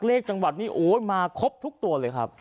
เลขจังหวัดนี้โอ้ยมาครบทุกตัวเลยครับ